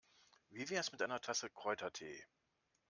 Wie wär's mit einer Tasse Kräutertee?